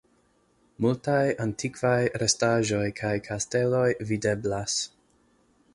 Multaj antikvaj restaĵoj kaj kasteloj videblas.